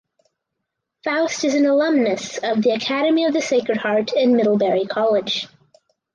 Faust is an alumnus of the Academy of the Sacred Heart and Middlebury College.